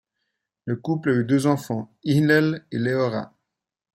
Le couple a eu deux enfants, Hillel et Leora.